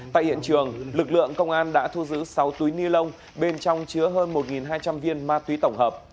tại hiện trường lực lượng công an đã thu giữ sáu túi ni lông bên trong chứa hơn một hai trăm linh viên ma túy tổng hợp